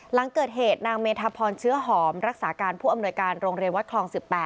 หลังเกิดเหตุนางเมธพรเชื้อหอมรักษาการผู้อำนวยการโรงเรียนวัดคลอง๑๘